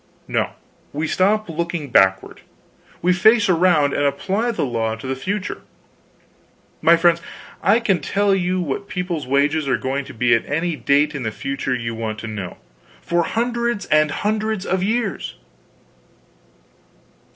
No. We stop looking backward; we face around and apply the law to the future. My friends, I can tell you what people's wages are going to be at any date in the future you want to know, for hundreds and hundreds of years."